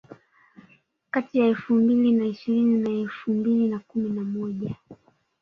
kati ya elfu mbili na ishirini na elfu mbili na kumi na moja